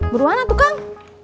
beruana tuh kang